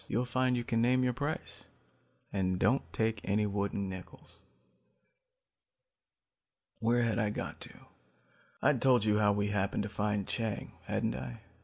You'll find you can name your price and don't take any wooden nickels. "Where had I got to? I'd told you how we happened to find Chang, hadn't I?